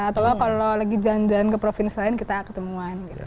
atau kalau lagi jalan jalan ke provinsi lain kita ketemuan gitu